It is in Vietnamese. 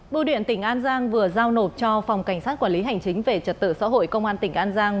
bưu điện tỉnh an giang vừa giao nộp cho phòng cảnh sát quản lý hành chính về trật tự xã hội công an tỉnh an giang